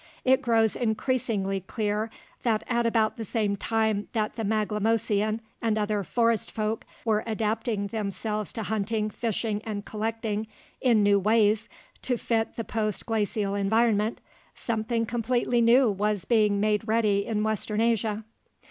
It grows increasingly clear that at about the same time that the Maglemosian and other "Forest folk" were adapting themselves to hunting, fishing, and collecting in new ways to fit the post glacial environment, something completely new was being made ready in western Asia.